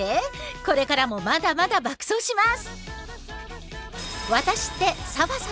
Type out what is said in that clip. これからもまだまだ爆走します！